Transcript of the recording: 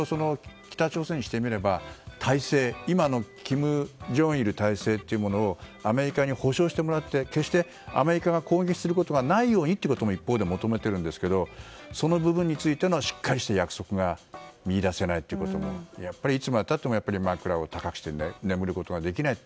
北朝鮮にしてみれば今の金正恩体制をアメリカに保証してもらって決してアメリカが攻撃することがないようにということも一方で求めていますがその部分についてのしっかりした約束が見いだせないことがやっぱりいつまで経っても枕を高くして眠ることができない